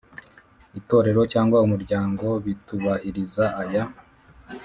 Itorero cyangwa umuryango bitubahiriza aya